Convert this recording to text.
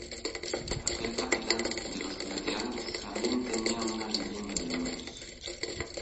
aquel capitán de los plateados también tenía una leyenda de amores.